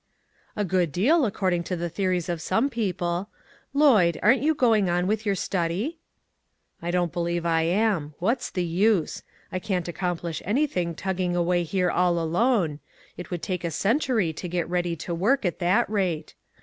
" A good deal according to the theories of some people. Lloj d, aren't you going on with your study?" "I don't believe I am. What's the use? I can't accomplish anything tugging away here all alone ; it would take a century to get ready to work at that rate.